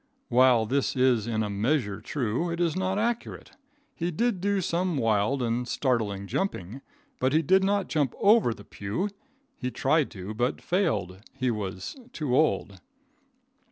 While this is in a measure true, it is not accurate. He did do some wild and startling jumping, but he did not jump over the pew. He tried to, but failed. He was too old.